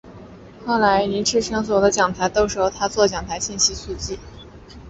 后来倪柝声所有的讲台都是由他作讲台信息速记。